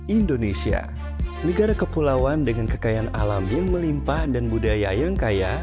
indonesia negara kepulauan dengan kekayaan alam yang melimpah dan budaya yang kaya